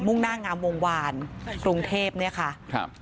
่งหน้างามวงวานกรุงเทพเนี่ยค่ะครับ